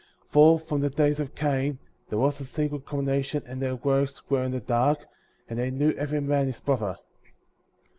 51. For, from the days of Cain, there was a secret combination,^' and their works were in the dark, and they knew every man his brother.